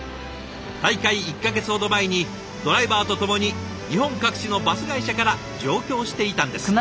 大会１か月ほど前にドライバーと共に日本各地のバス会社から上京していたんです。